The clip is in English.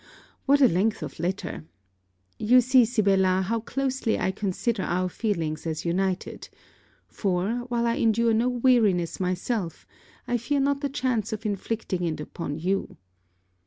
What a length of letter! You see, Sibella, how closely I consider our feelings as united; for, while I endure no weariness myself, I fear not the chance of inflicting it upon you.